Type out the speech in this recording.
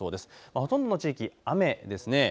ほとんどの地域、雨ですね。